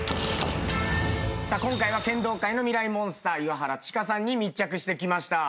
今回は剣道界のミライ☆モンスター岩原千佳さんに密着してきました。